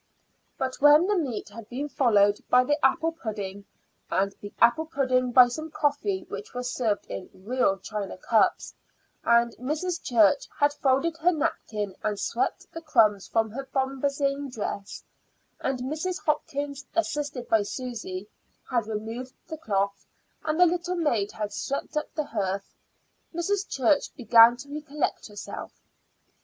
But when the meat had been followed by the apple pudding, and the apple pudding by some coffee which was served in real china cups, and Mrs. Church had folded her napkin and swept the crumbs from her bombazine dress, and Mrs. Hopkins, assisted by Susy, had removed the cloth, and the little maid had swept up the hearth, Mrs. Church began to recollect herself.